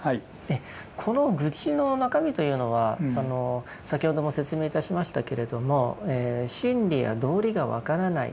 この愚痴の中身というのは先ほども説明いたしましたけれども真理や道理が分からない